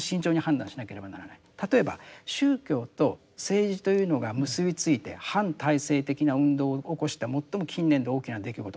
例えば宗教と政治というのが結び付いて反体制的な運動を起こした最も近年で大きな出来事